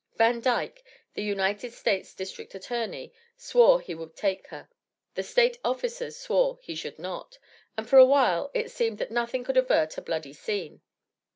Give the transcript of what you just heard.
Vandyke, the United States District Attorney, swore he would take her. The State officers swore he should not, and for a while it seemed that nothing could avert a bloody scene.